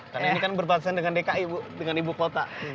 karena ini kan berbatasan dengan dki bu dengan ibu kota